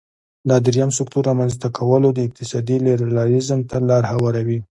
دا د دریم سکتور رامینځ ته کول د اقتصادي لیبرالیزم ته لار هواروي.